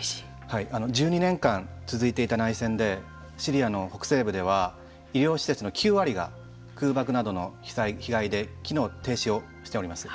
１２年続いていた内戦でシリアの北西部では医療施設の９割が空爆などの被害で機能停止をしております。